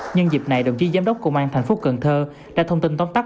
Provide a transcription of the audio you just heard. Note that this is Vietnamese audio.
nhân dịp này đồng chí giám đốc công an thành phố cần thơ đã thông tin tóm tắt